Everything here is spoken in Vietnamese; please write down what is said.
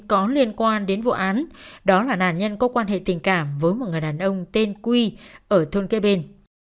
có liên quan đến vụ án đó là nạn nhân có quan hệ tình cảm với một người đàn ông tên quy ở thôn kế bên